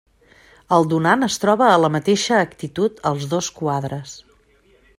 El donant es troba a la mateixa actitud als dos quadres.